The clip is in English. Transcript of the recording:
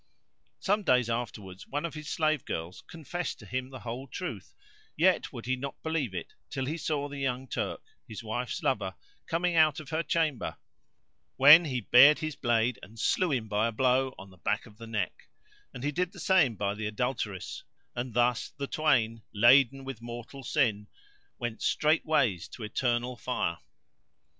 Some days afterwards one of his slave girls confessed to him the whole truth,[FN#93] yet would he not believe it till he saw the young Turk, his wife's lover, coming out of her chamber, when he bared his blade [FN#94] and slew him by a blow on the back of the neck; and he did the same by the adulteress; and thus the twain, laden with mortal sin, went straightways to Eternal Fire.